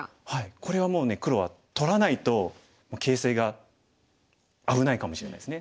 これはもう黒は取らないと形勢が危ないかもしれないですね。